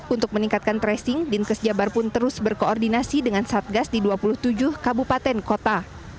untuk meningkatkan tracing dinas kesehatan jawa barat pun terus berkoordinasi dengan satgas di dua puluh tujuh kabupaten kota